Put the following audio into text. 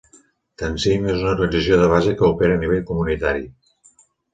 Tanzim és una organització de base que opera a nivell comunitari.